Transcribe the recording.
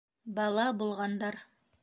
Бала булғандар.